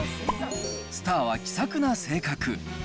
スターは気さくな性格。